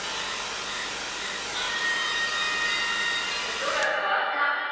音が変わった！